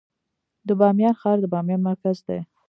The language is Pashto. د بامیان ښار د بامیان مرکز دی